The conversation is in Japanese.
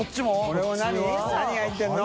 何が入ってるの？